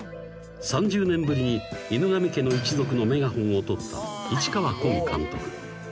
［３０年ぶりに『犬神家の一族』のメガホンを取った市川崑監督］